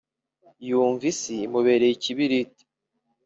yumva isi imubereye ikibiriti